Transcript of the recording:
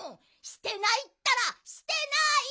してないったらしてない！